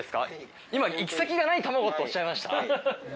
今行き先がない卵っておっしゃいました？